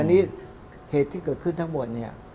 อันนี้เหตุที่เกิดขึ้นทั้งหมดเนี่ย